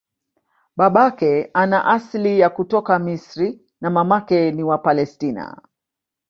Babake ana asili ya kutoka Misri na mamake ni wa Palestina.